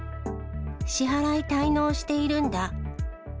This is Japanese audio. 支払い滞納しているんだ。